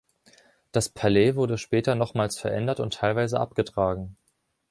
Das Palais wurde später nochmals verändert und teilweise abgetragen.